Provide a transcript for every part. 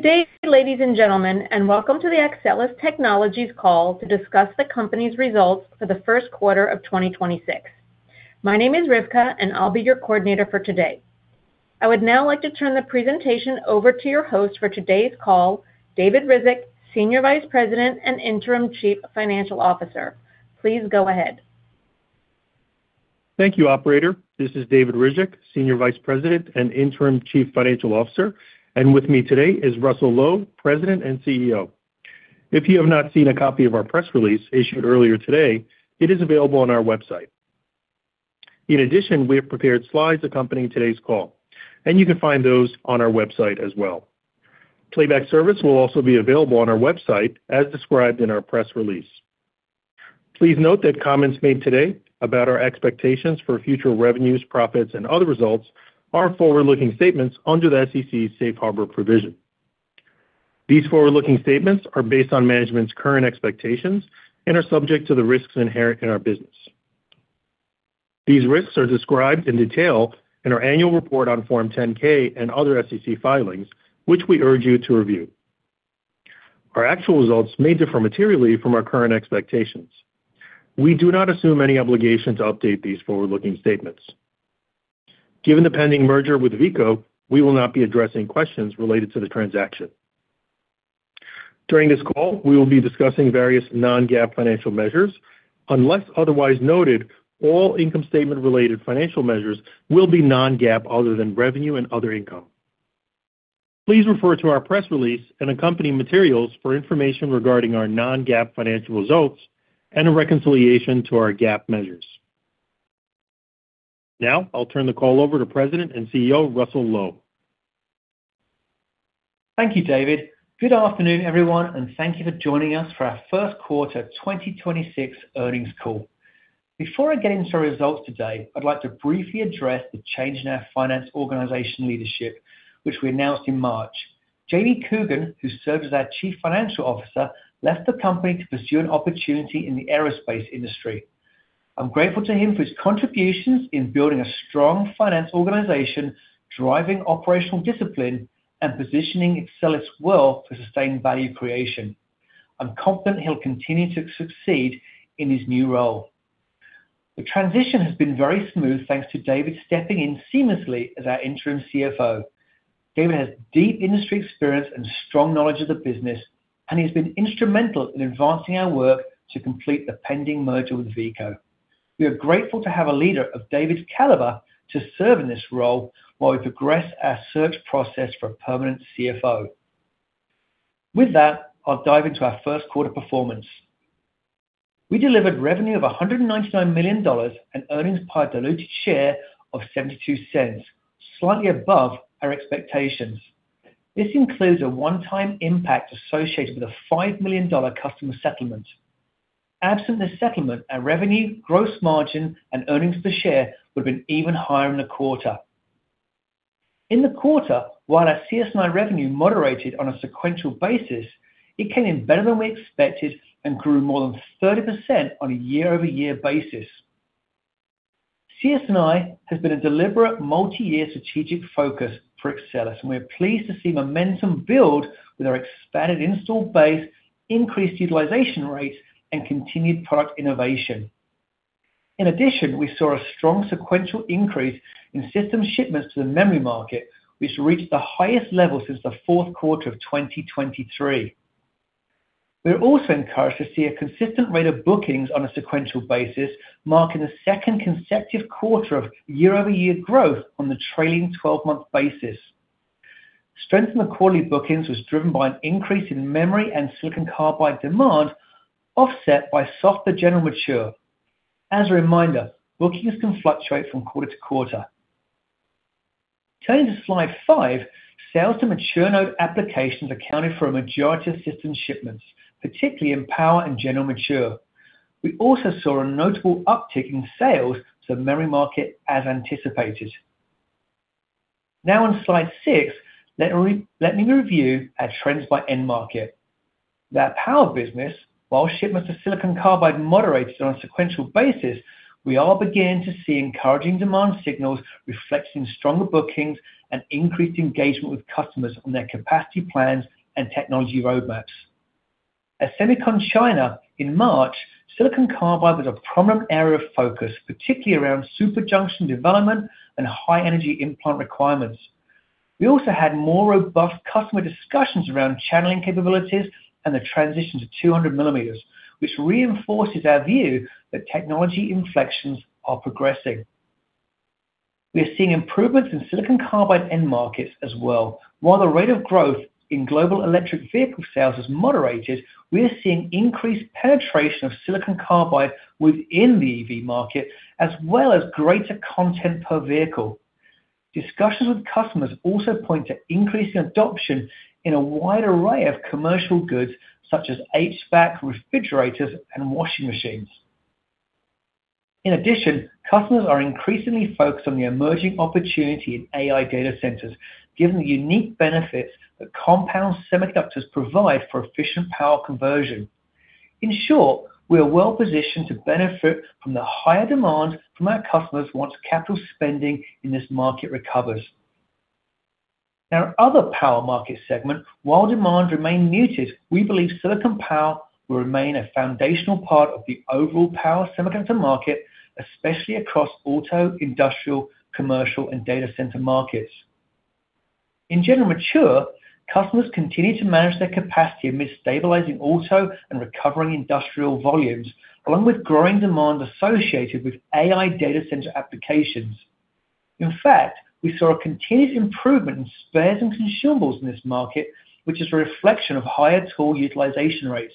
Good day, ladies and gentlemen, and welcome to the Axcelis Technologies call to discuss the company's results for the first quarter of 2026. My name is Rivka, and I'll be your coordinator for today. I would now like to turn the presentation over to your host for today's call, David Ryzhik, Senior Vice President and Interim Chief Financial Officer. Please go ahead. Thank you, operator. This is David Ryzhik, Senior Vice President and Interim Chief Financial Officer, and with me today is Russell Low, President and CEO. If you have not seen a copy of our press release issued earlier today, it is available on our website. In addition, we have prepared slides accompanying today's call, and you can find those on our website as well. Playback service will also be available on our website, as described in our press release. Please note that comments made today about our expectations for future revenues, profits, and other results are forward-looking statements under the SEC's safe harbor provision. These forward-looking statements are based on management's current expectations and are subject to the risks inherent in our business. These risks are described in detail in our annual report on Form 10-K and other SEC filings, which we urge you to review. Our actual results may differ materially from our current expectations. We do not assume any obligation to update these forward-looking statements. Given the pending merger with Veeco, we will not be addressing questions related to the transaction. During this call, we will be discussing various non-GAAP financial measures. Unless otherwise noted, all income statement related financial measures will be non-GAAP other than revenue and other income. Please refer to our press release and accompanying materials for information regarding our non-GAAP financial results and a reconciliation to our GAAP measures. Now, I'll turn the call over to President and CEO, Russell Low. Thank you, David. Good afternoon, everyone, and thank you for joining us for our first quarter 2026 earnings call. Before I get into our results today, I'd like to briefly address the change in our finance organization leadership, which we announced in March. Jamie Coogan, who served as our Chief Financial Officer, left the company to pursue an opportunity in the aerospace industry. I'm grateful to him for his contributions in building a strong finance organization, driving operational discipline, and positioning Axcelis well for sustained value creation. I'm confident he'll continue to succeed in his new role. The transition has been very smooth thanks to David stepping in seamlessly as our Interim CFO. David has deep industry experience and strong knowledge of the business, and he has been instrumental in advancing our work to complete the pending merger with Veeco. We are grateful to have a leader of David's caliber to serve in this role while we progress our search process for a permanent CFO. With that, I'll dive into our first quarter performance. We delivered revenue of $199 million and earnings per diluted share of $0.72, slightly above our expectations. This includes a one-time impact associated with a $5 million customer settlement. Absent this settlement, our revenue, gross margin, and earnings per share would have been even higher in the quarter. In the quarter, while our CS&I revenue moderated on a sequential basis, it came in better than we expected and grew more than 30% on a year-over-year basis. CS&I has been a deliberate multi-year strategic focus for Axcelis, and we are pleased to see momentum build with our expanded installed base, increased utilization rates, and continued product innovation. In addition, we saw a strong sequential increase in system shipments to the memory market, which reached the highest level since the fourth quarter of 2023. We are also encouraged to see a consistent rate of bookings on a sequential basis, marking the second consecutive quarter of year-over-year growth on the trailing 12-month basis. Strength in the quarterly bookings was driven by an increase in memory and silicon carbide demand, offset by softer general mature. As a reminder, bookings can fluctuate from quarter-to-quarter. Turning to slide five, sales to mature node applications accounted for a majority of system shipments, particularly in power and general mature. We also saw a notable uptick in sales to the memory market as anticipated. Now on slide six, let me review our trends by end market. In our power business, while shipments of silicon carbide moderated on a sequential basis, we are beginning to see encouraging demand signals reflecting stronger bookings and increased engagement with customers on their capacity plans and technology roadmaps. At SEMICON China in March, silicon carbide was a prominent area of focus, particularly around super junction development and high energy implant requirements. We also had more robust customer discussions around channeling capabilities and the transition to 200 mm, which reinforces our view that technology inflections are progressing. We are seeing improvements in silicon carbide end markets as well. While the rate of growth in global electric vehicle sales has moderated, we are seeing increased penetration of silicon carbide within the EV market as well as greater content per vehicle. Discussions with customers also point to increasing adoption in a wide array of commercial goods such as HVAC, refrigerators, and washing machines. In addition, customers are increasingly focused on the emerging opportunity in AI data centers, given the unique benefits that compound semiconductors provide for efficient power conversion. In short, we are well-positioned to benefit from the higher demand from our customers once capital spending in this market recovers. Now, our other power market segment, while demand remain muted, we believe silicon power will remain a foundational part of the overall power semiconductor market, especially across auto, industrial, commercial, and data center markets. In general mature, customers continue to manage their capacity amid stabilizing auto and recovering industrial volumes, along with growing demand associated with AI data center applications. In fact, we saw a continued improvement in spares and consumables in this market, which is a reflection of higher tool utilization rates.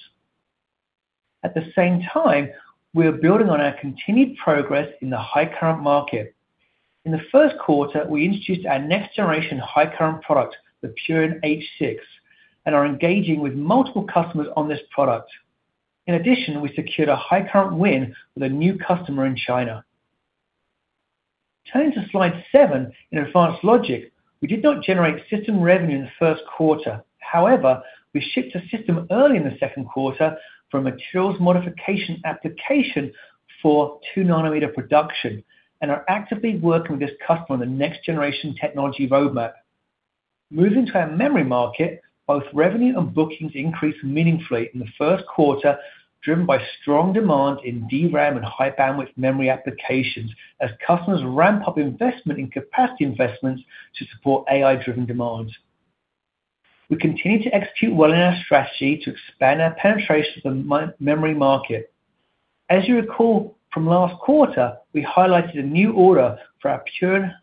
At the same time, we are building on our continued progress in the high current market. In the first quarter, we introduced our next-generation high current product, the Purion H6, and are engaging with multiple customers on this product. In addition, we secured a high current win with a new customer in China. Turning to slide seven, in advanced logic, we did not generate system revenue in the first quarter. However, we shipped a system early in the second quarter for a materials modification application for 2-nm production and are actively working with this customer on the next-generation technology roadmap. Moving to our memory market, both revenue and bookings increased meaningfully in the first quarter, driven by strong demand in DRAM and high bandwidth memory applications as customers ramp up investment in capacity investments to support AI-driven demands. We continue to execute well in our strategy to expand our penetration to the memory market. As you recall from last quarter, we highlighted a new order for our Purion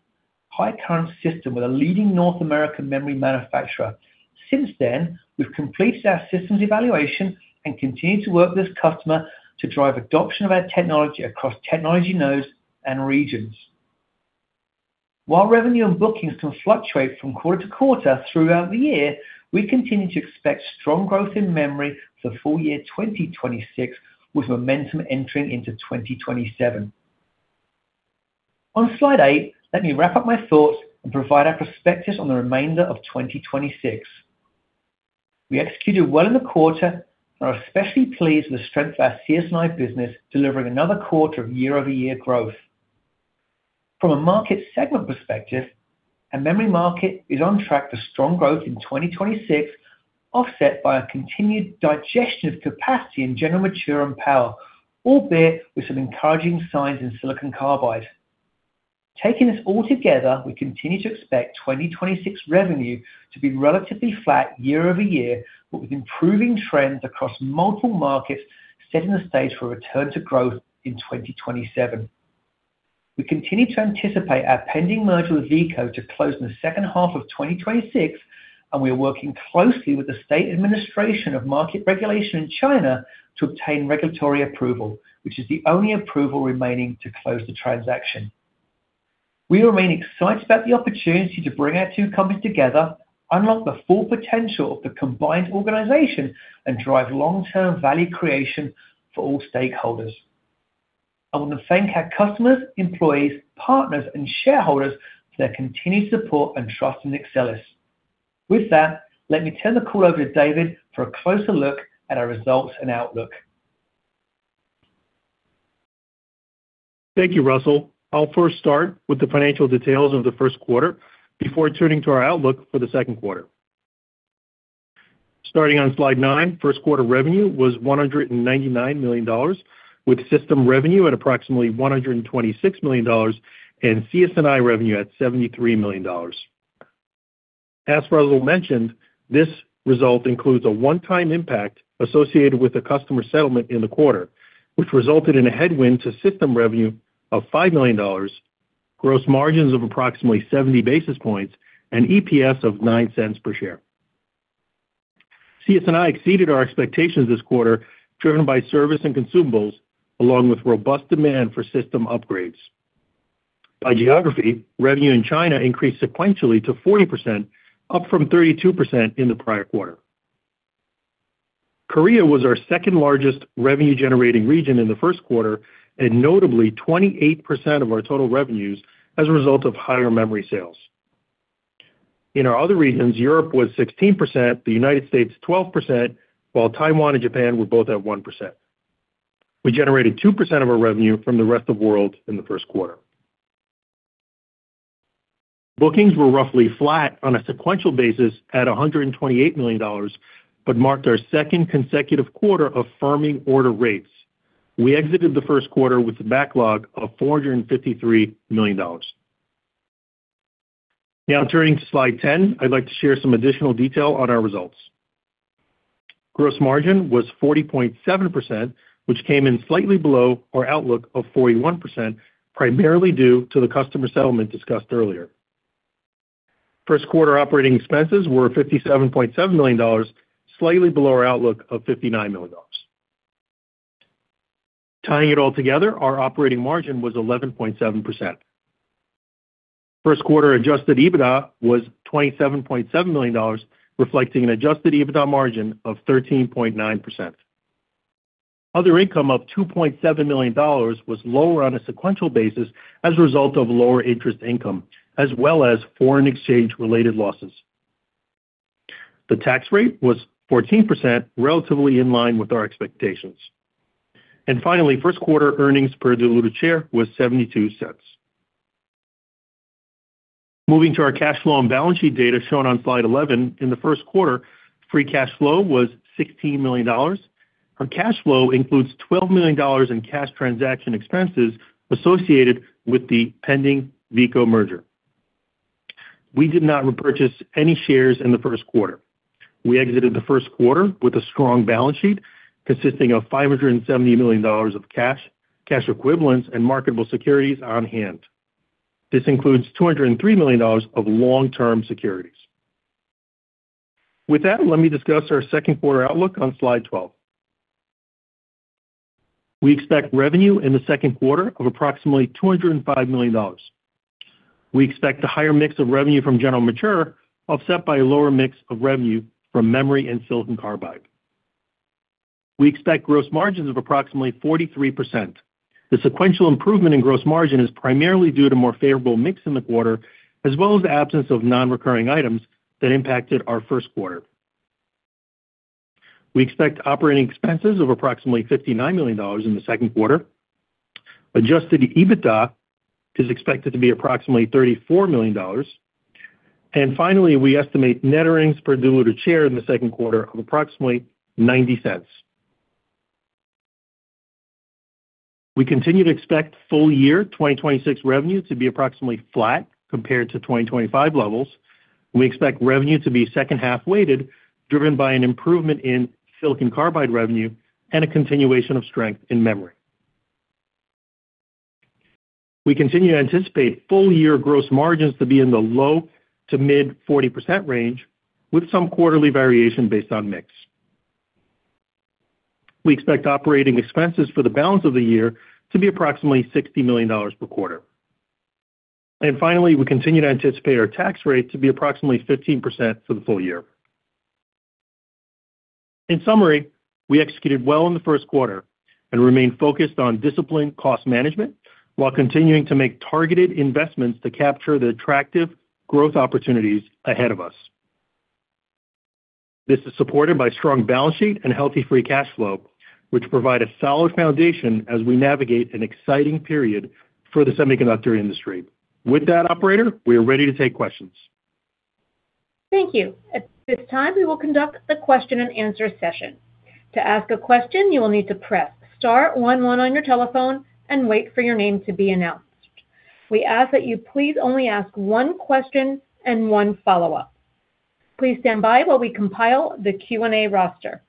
high current system with a leading North American memory manufacturer. Since then, we've completed our systems evaluation and continue to work with this customer to drive adoption of our technology across technology nodes and regions. While revenue and bookings can fluctuate from quarter-to-quarter throughout the year, we continue to expect strong growth in memory for full year 2026, with momentum entering into 2027. On slide eight, let me wrap up my thoughts and provide our perspectives on the remainder of 2026. We executed well in the quarter and are especially pleased with the strength of our CS&I business, delivering another quarter of year-over-year growth. From a market segment perspective, our memory market is on track for strong growth in 2026, offset by a continued digestion of capacity in general mature and power, albeit with some encouraging signs in silicon carbide. Taking this all together, we continue to expect 2026 revenue to be relatively flat year-over-year, but with improving trends across multiple markets, setting the stage for a return to growth in 2027. We continue to anticipate our pending merger with Veeco to close in the second half of 2026, and we are working closely with the State Administration of Market Regulation in China to obtain regulatory approval, which is the only approval remaining to close the transaction. We remain excited about the opportunity to bring our two companies together, unlock the full potential of the combined organization, and drive long-term value creation for all stakeholders. I want to thank our customers, employees, partners, and shareholders for their continued support and trust in Axcelis. With that, let me turn the call over to David for a closer look at our results and outlook. Thank you, Russell. I'll first start with the financial details of the first quarter before turning to our outlook for the second quarter. Starting on slide nine, first quarter revenue was $199 million, with system revenue at approximately $126 million and CS&I revenue at $73 million. As Russell mentioned, this result includes a one-time impact associated with the customer settlement in the quarter, which resulted in a headwind to system revenue of $5 million, gross margins of approximately 70 basis points, and EPS of $0.09 per share. CS&I exceeded our expectations this quarter, driven by service and consumables, along with robust demand for system upgrades. By geography, revenue in China increased sequentially to 40%, up from 32% in the prior quarter. Korea was our second-largest revenue-generating region in the first quarter, and notably, 28% of our total revenues as a result of higher memory sales. In our other regions, Europe was 16%, the United States 12%, while Taiwan and Japan were both at 1%. We generated 2% of our revenue from the rest of world in the first quarter. Bookings were roughly flat on a sequential basis at $128 million, but marked our second consecutive quarter of firming order rates. We exited the first quarter with a backlog of $453 million. Now turning to slide 10, I'd like to share some additional detail on our results. Gross margin was 40.7%, which came in slightly below our outlook of 41%, primarily due to the customer settlement discussed earlier. First quarter operating expenses were $57.7 million, slightly below our outlook of $59 million. Tying it all together, our operating margin was 11.7%. First quarter adjusted EBITDA was $27.7 million, reflecting an adjusted EBITDA margin of 13.9%. Other income of $2.7 million was lower on a sequential basis as a result of lower interest income as well as foreign exchange-related losses. The tax rate was 14%, relatively in line with our expectations. Finally, first quarter earnings per diluted share was $0.72. Moving to our cash flow and balance sheet data shown on slide 11. In the first quarter, free cash flow was $16 million. Our cash flow includes $12 million in cash transaction expenses associated with the pending Veeco merger. We did not repurchase any shares in the first quarter. We exited the first quarter with a strong balance sheet consisting of $570 million of cash equivalents, and marketable securities on hand. This includes $203 million of long-term securities. With that, let me discuss our second quarter outlook on slide 12. We expect revenue in the second quarter of approximately $205 million. We expect a higher mix of revenue from general mature, offset by a lower mix of revenue from memory and silicon carbide. We expect gross margins of approximately 43%. The sequential improvement in gross margin is primarily due to more favorable mix in the quarter, as well as the absence of non-recurring items that impacted our first quarter. We expect operating expenses of approximately $59 million in the second quarter. Adjusted EBITDA is expected to be approximately $34 million. Finally, we estimate net earnings per diluted share in the second quarter of approximately $0.90. We continue to expect full year 2026 revenue to be approximately flat compared to 2025 levels. We expect revenue to be second half-weighted, driven by an improvement in silicon carbide revenue and a continuation of strength in memory. We continue to anticipate full-year gross margins to be in the low to mid 40% range with some quarterly variation based on mix. We expect operating expenses for the balance of the year to be approximately $60 million per quarter. Finally, we continue to anticipate our tax rate to be approximately 15% for the full year. In summary, we executed well in the first quarter and remain focused on disciplined cost management while continuing to make targeted investments to capture the attractive growth opportunities ahead of us. This is supported by strong balance sheet and healthy free cash flow, which provide a solid foundation as we navigate an exciting period for the semiconductor industry. With that, operator, we are ready to take questions. Thank you. At this time, we will conduct the question-and-answer session. We ask that you please only ask one question and one follow-up. Please stand by while we compile the Q&A roster.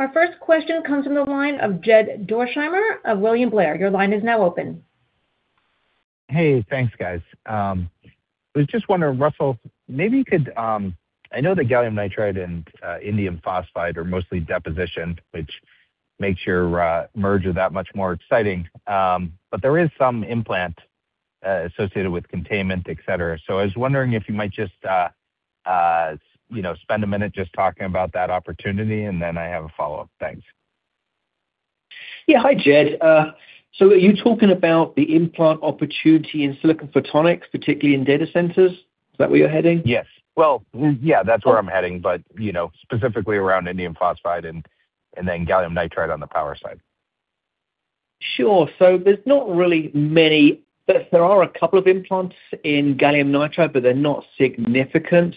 Our first question comes from the line of Jed Dorsheimer of William Blair. Your line is now open. Hey, thanks, guys. I was just wondering, Russell, maybe you could. I know that gallium nitride and indium phosphide are mostly deposition, which makes your merger that much more exciting. There is some implant associated with containment, et cetera. I was wondering if you might just, you know, spend a minute just talking about that opportunity, and then I have a follow-up. Thanks. Yeah. Hi, Jed. Are you talking about the implant opportunity in silicon photonics, particularly in data centers? Is that where you're heading? Yes. Well, yeah, that's where I'm heading. You know, specifically around indium phosphide and then gallium nitride on the power side. Sure. There's not really many. But there are a couple of implants in gallium nitride, but they're not significant.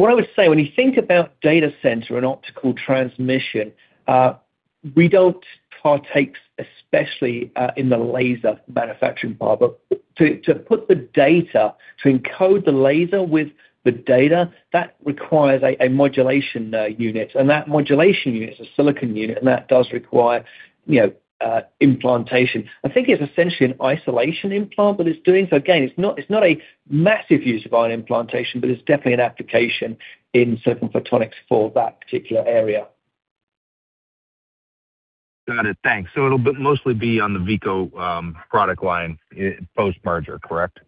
What I would say when you think about data center and optical transmission, we don't partake, especially, in the laser manufacturing part. To put the data to encode the laser with the data, that requires a modulation unit. That modulation unit is a silicon unit, and that does require, you know, implantation. I think it's essentially an isolation implant that it's doing. Again, it's not, it's not a massive use of our implantation, but it's definitely an application in certain photonics for that particular area. Got it. Thanks. It'll mostly be on the Veeco product line post-merger, correct?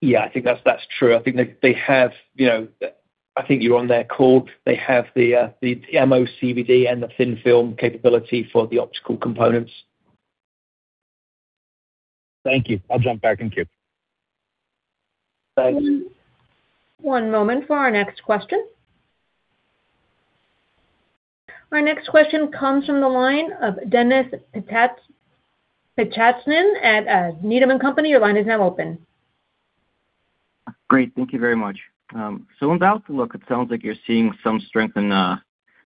Yeah, I think that's true. I think they have, you know. I think you're on their call. They have the MOCVD and the thin-film capability for the optical components. Thank you. I'll jump back in queue. Thanks. One moment for our next question. Our next question comes from the line of Denis Pyatchanin at Needham & Co. Your line is now open. Great. Thank you very much. On balance of look, it sounds like you're seeing some strength in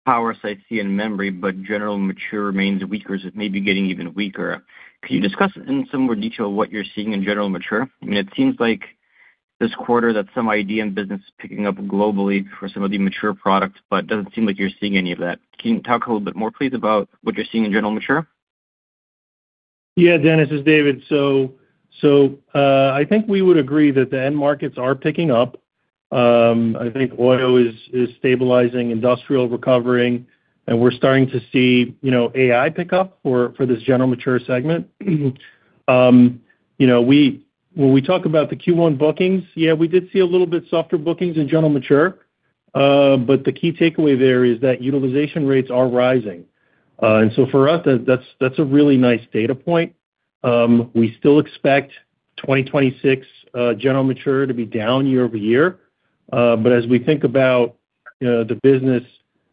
power SiC and memory, but general mature remains weaker as it may be getting even weaker. Could you discuss in some more detail what you're seeing in general mature? I mean, it seems like this quarter that some IDM business is picking up globally for some of the mature products, but it doesn't seem like you're seeing any of that. Can you talk a little bit more, please, about what you're seeing in general mature? Yeah. Denis, this is David. I think we would agree that the end markets are picking up. I think auto is stabilizing, industrial recovering, we're starting to see, you know, AI pick up for this general mature segment. You know, when we talk about the Q1 bookings, yeah, we did see a little bit softer bookings in general mature The key takeaway there is that utilization rates are rising. For us, that's a really nice data point. We still expect 2026 general mature to be down year-over-year. As we think about, you know, the business,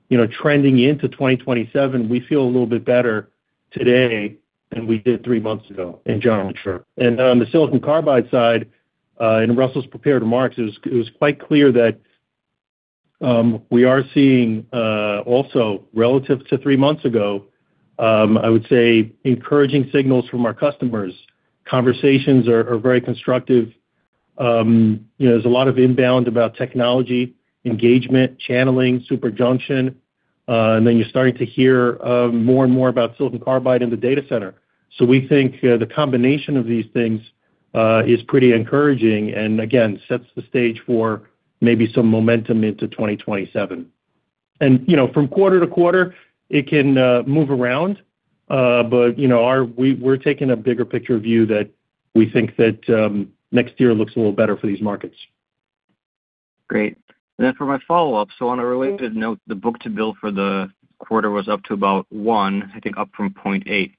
you know, trending into 2027, we feel a little bit better today than we did three months ago in general mature. On the silicon carbide side, in Russell's prepared remarks, it was quite clear that we are seeing also relative to three months ago, I would say encouraging signals from our customers. Conversations are very constructive. You know, there's a lot of inbound about technology, engagement, channeling, super junction, you're starting to hear more and more about silicon carbide in the data center. We think the combination of these things is pretty encouraging and again, sets the stage for maybe some momentum into 2027. You know, from quarter-to-quarter it can move around. You know, we're taking a bigger picture view that we think that next year looks a little better for these markets. Great. For my follow-up, on a related note, the book-to-bill for the quarter was up to about 1, I think up from 0.8.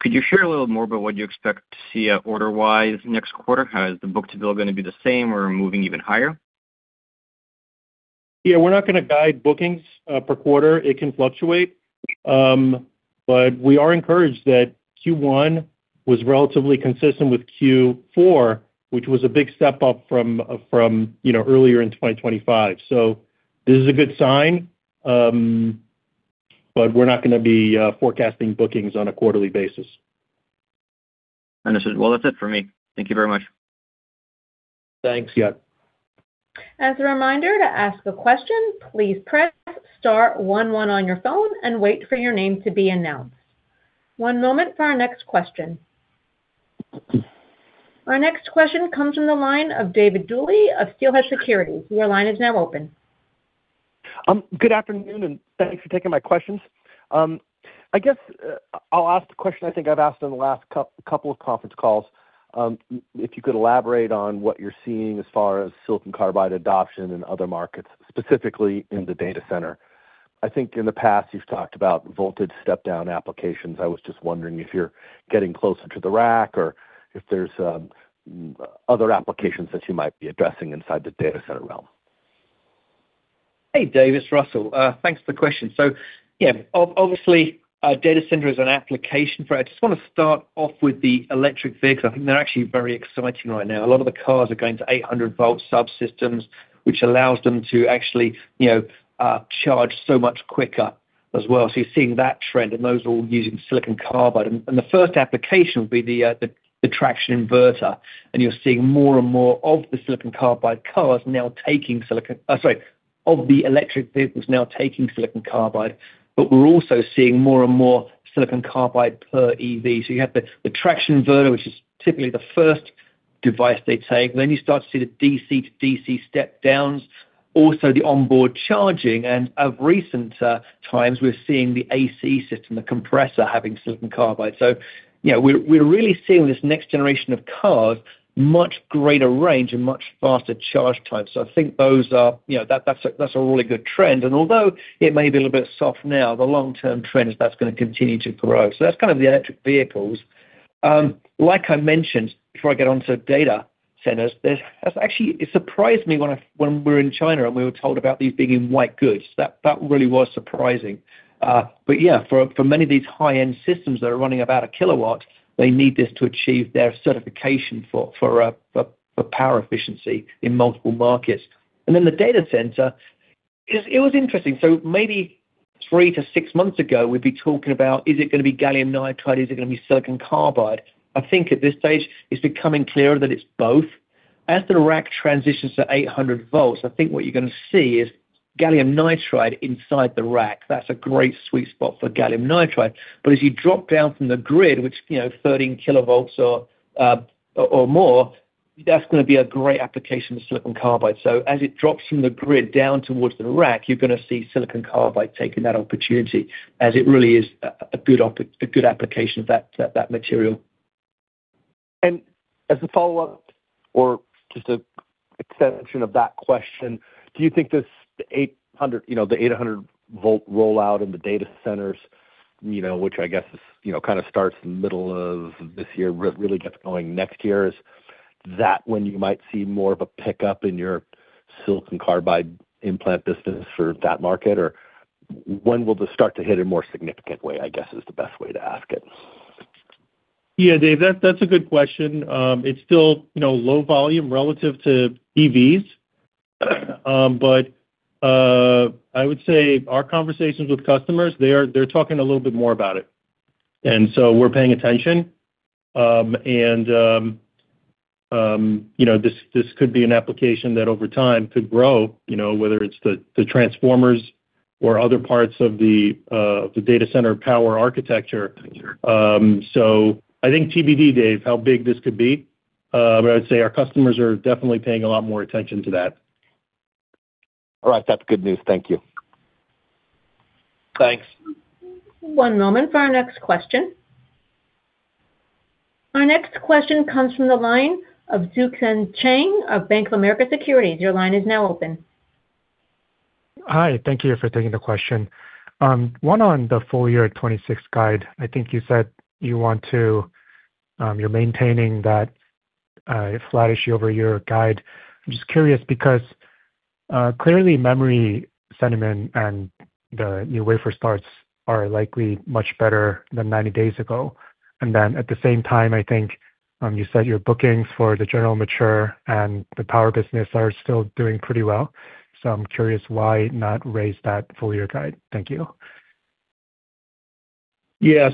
Could you share a little more about what you expect to see order-wise next quarter? Is the book-to-bill going to be the same or moving even higher? Yeah. We're not gonna guide bookings per quarter. It can fluctuate. We are encouraged that Q1 was relatively consistent with Q4, which was a big step up from, you know, earlier in 2025. This is a good sign, but we're not gonna be forecasting bookings on a quarterly basis. Understood. Well, that's it for me. Thank you very much. Thanks. Yep. As a reminder, to ask a question, please press star one one on your phone and wait for your name to be announced. One moment for our next question. Our next question comes from the line of David Duley of Steelhead Securities. Your line is now open. Good afternoon, and thanks for taking my questions. I guess, I'll ask the question I think I've asked on the last couple of conference calls. If you could elaborate on what you're seeing as far as silicon carbide adoption in other markets, specifically in the data center. I think in the past you've talked about voltage step-down applications. I was just wondering if you're getting closer to the rack or if there's other applications that you might be addressing inside the data center realm. Hey, Dave, it's Russell. Thanks for the question. Yeah, obviously, data center is an application for it. I just wanna start off with the electric vehicles. I think they're actually very exciting right now. A lot of the cars are going to 800 V subsystems, which allows them to actually, you know, charge so much quicker as well. You're seeing that trend, those are all using silicon carbide. The first application would be the traction inverter, you're seeing more and more of the silicon carbide cars now taking of the electric vehicles now taking silicon carbide, we're also seeing more and more silicon carbide per EV. You have the traction inverter, which is typically the first device they take. You start to see the DC-DC step downs, also the onboard charging. Of recent times we're seeing the AC system, the compressor, having silicon carbide. You know, we're really seeing this next generation of cars much greater range and much faster charge times. I think those are, you know, that's a really good trend. Although it may be a little bit soft now, the long-term trend is that's gonna continue to grow. That's kind of the electric vehicles. Like I mentioned, before I get onto data centers, it surprised me when we were in China and we were told about these being in white goods. That really was surprising. Yeah, for many of these high-end systems that are running about 1 kW, they need this to achieve their certification for power efficiency in multiple markets. The data center it was interesting. Maybe three to six months ago, we'd be talking about is it gonna be gallium nitride, is it gonna be silicon carbide? I think at this stage it's becoming clearer that it's both. As the rack transitions to 800 V, I think what you're gonna see is gallium nitride inside the rack. That's a great sweet spot for gallium nitride. As you drop down from the grid, which, you know, 13 kV or more, that's gonna be a great application of silicon carbide. As it drops from the grid down towards the rack, you're gonna see silicon carbide taking that opportunity as it really is a good application of that material. As a follow-up or just a extension of that question, do you think this, the 800 V, you know, the 800 V rollout in the data centers, you know, which I guess is, you know, kind of starts in the middle of this year, really gets going next year. Is that when you might see more of a pickup in your silicon carbide implant business for that market? Or when will this start to hit a more significant way, I guess, is the best way to ask it? Dave, that's a good question. It's still, you know, low volume relative to EVs. I would say our conversations with customers, they're talking a little bit more about it, we're paying attention. You know, this could be an application that over time could grow, you know, whether it's the transformers or other parts of the data center power architecture. I think TBD, Dave, how big this could be. I would say our customers are definitely paying a lot more attention to that. All right. That's good news. Thank you. Thanks. One moment for our next question. Our next question comes from the line of Duksan Jang of Bank of America Securities. Your line is now open. Hi, thank you for taking the question. One on the full year 2026 guide. I think you said you want to, you're maintaining that flattish year-over-year guide. I'm just curious because clearly memory sentiment and the new wafer starts are likely much better than 90 days ago. At the same time, I think, you said your bookings for the general mature and the power business are still doing pretty well. I'm curious why not raise that full year guide. Thank you. Yeah.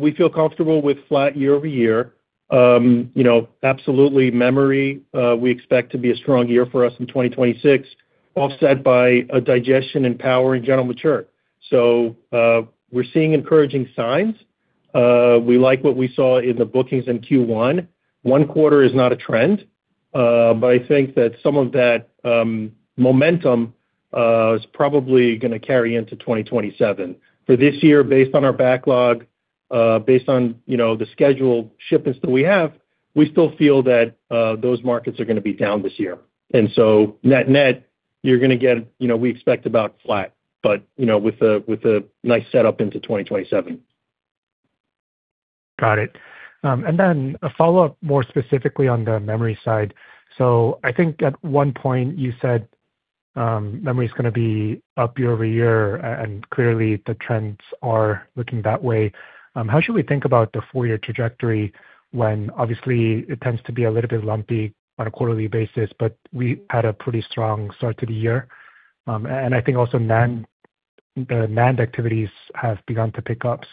We feel comfortable with flat year-over-year. You know, absolutely memory, we expect to be a strong year for us in 2026, offset by a digestion in power in general mature. We're seeing encouraging signs. We like what we saw in the bookings in Q1. One quarter is not a trend, but I think that some of that momentum is probably gonna carry into 2027. For this year, based on our backlog, based on, you know, the scheduled shipments that we have, we still feel that those markets are gonna be down this year. Net-net, you're gonna get, you know, we expect about flat, but, you know, with a nice setup into 2027. Got it. A follow-up more specifically on the memory side. I think at one point you said, memory is gonna be up year-over-year, clearly the trends are looking that way. How should we think about the full year trajectory when obviously it tends to be a little bit lumpy on a quarterly basis, but we had a pretty strong start to the year. I think also NAND, the NAND activities have begun to pick up.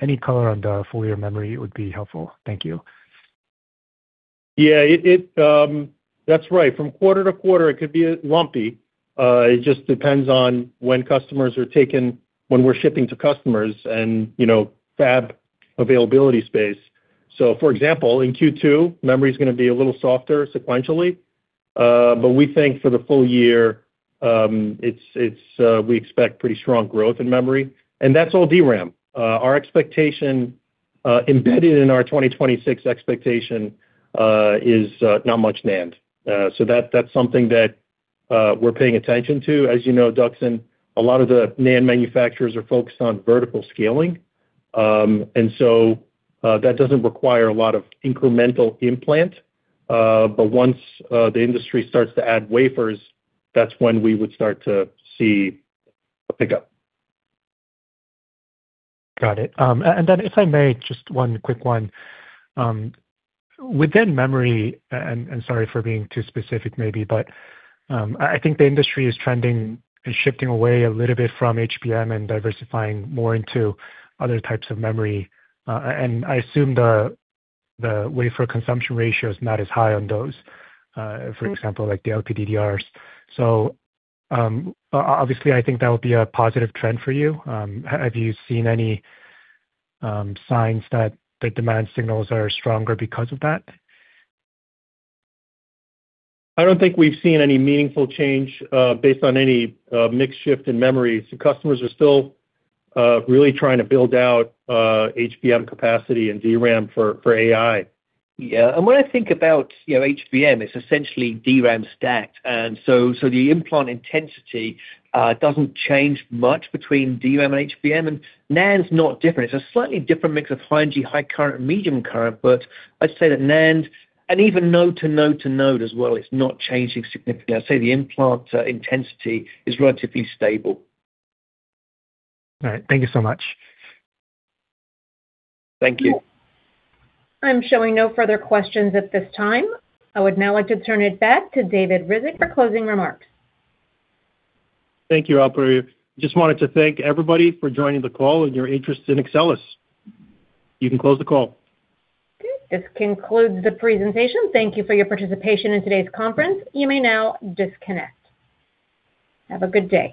Any color on the full year memory would be helpful. Thank you. Yeah, that's right. From quarter-to-quarter, it could be lumpy. It just depends on when customers are shipping to customers and, you know, fab availability space. For example, in Q2, memory is going to be a little softer sequentially. We think for the full year, we expect pretty strong growth in memory, and that's all DRAM. Our expectation embedded in our 2026 expectation is not much NAND. That's something that we're paying attention to. As you know, Duksan, a lot of the NAND manufacturers are focused on vertical scaling. That doesn't require a lot of incremental implant. Once the industry starts to add wafers, that's when we would start to see a pickup. Got it. If I may, just one quick one. Within memory, and sorry for being too specific maybe, but I think the industry is trending and shifting away a little bit from HBM and diversifying more into other types of memory. I assume the wafer consumption ratio is not as high on those, for example, like the LPDDRs. Obviously, I think that would be a positive trend for you. Have you seen any signs that the demand signals are stronger because of that? I don't think we've seen any meaningful change, based on any mix shift in memory. Customers are still really trying to build out HBM capacity and DRAM for AI. Yeah. When I think about, you know, HBM, it's essentially DRAM stacked. The implant intensity doesn't change much between DRAM and HBM, and NAND's not different. It's a slightly different mix of high energy, high current, and medium current. I'd say that NAND and even node to node to node as well, it's not changing significantly. I'd say the implant intensity is relatively stable. All right. Thank you so much. Thank you. I'm showing no further questions at this time. I would now like to turn it back to David Ryzhik for closing remarks. Thank you, operator. Just wanted to thank everybody for joining the call and your interest in Axcelis. You can close the call. Okay. This concludes the presentation. Thank you for your participation in today's conference. You may now disconnect. Have a good day.